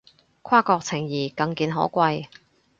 跨國情誼更見可貴